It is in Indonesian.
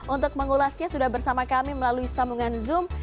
untuk mengulasnya sudah bersama kami melalui sambungan zoom